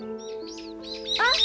あっ！